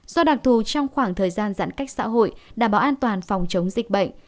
do đặc thù trong khoảng thời gian giãn cách xã hội đảm bảo an toàn phòng chống dịch bệnh